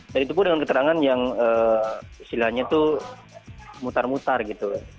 dan itu pun dengan keterangan yang istilahnya itu mutar mutar gitu